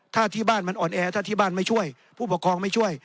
ถ้าที่บ้านมันอ่อนแอถ้าที่บ้านไม่ช่วยผู้ปกครองไม่ช่วย